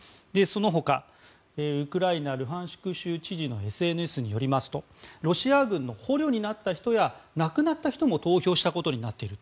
その他ウクライナ・ルハンシク州知事のＳＮＳによりますとロシア軍の捕虜になった人や亡くなった人も投票したことになっている。